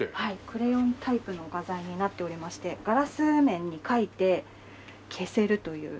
クレヨンタイプの画材になっておりましてガラス面に描いて消せるという。